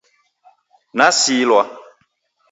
Nasilwa.